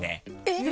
えっ！